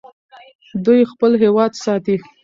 دوی خپل هېواد ساتي.